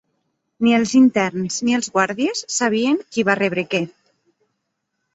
Ni els interns ni els guàrdies sabien qui va rebre què.